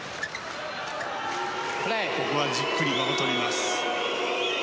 ここはじっくり間をとりました。